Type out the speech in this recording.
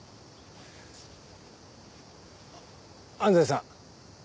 安西さん